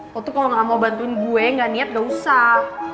lo tuh kalau gak mau bantuin gue gak niat gak usah